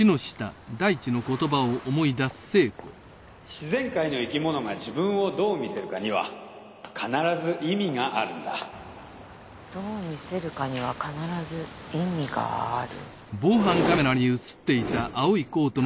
自然界の生き物が自分をどう見せるかに必ず意味があるんだどう見せるかには必ず意味がある。